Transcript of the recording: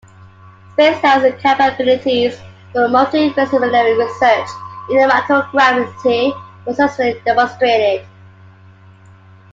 Spacelab's capabilities for multi-disciplinary research in microgravity were successfully demonstrated.